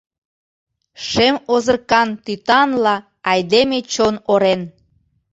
Шем озыркан тӱтанла айдеме чон орен.